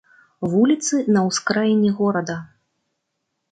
Вуліцы на ўскраіне горада.